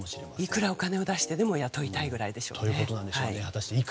いくらお金を出してでも雇いたいぐらいなんでしょうね。